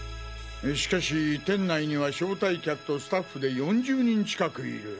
しかし店内には招待客とスタッフで４０人近くいる。